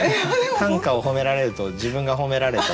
短歌を褒められると自分が褒められたと思ってしまう。